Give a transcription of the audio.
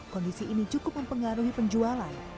kondisi ini cukup mempengaruhi penjualan